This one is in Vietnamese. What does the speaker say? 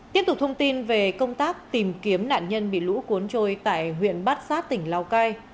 tiếp tục thông tin về công tác tìm kiếm nạn nhân bị lũ cuốn trôi tại huyện bát sát tỉnh lào cai